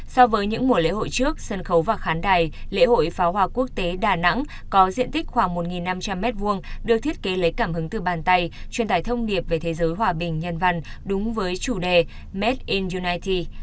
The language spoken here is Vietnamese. so với những mùa lễ hội trước sân khấu và khán đài lễ hội pháo hoa quốc tế đà nẵng có diện tích khoảng một năm trăm linh m hai được thiết kế lấy cảm hứng từ bàn tay truyền tải thông điệp về thế giới hòa bình nhân văn đúng với chủ đề made in unity